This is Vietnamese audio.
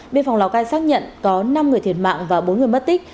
biên phòng lào cai xác nhận có năm người thiệt mạng và bốn người mất tích